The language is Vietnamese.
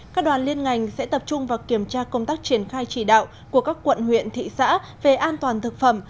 các đoàn liên ngành sẽ tập trung vào kiểm tra công tác triển khai chỉ đạo của các quận huyện thị xã về an toàn thực phẩm